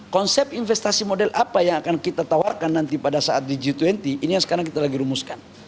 konsep investasi model apa yang akan kita tawarkan nanti pada saat di g dua puluh ini yang sekarang kita lagi rumuskan